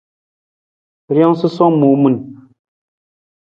Rijang susowang muu min.